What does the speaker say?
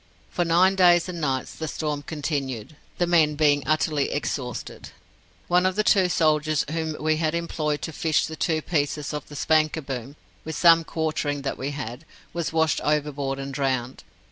For nine days and nights the storm continued, the men being utterly exhausted. One of the two soldiers whom we had employed to fish the two pieces of the spanker boom, with some quartering that we had, was washed overboard and drowned.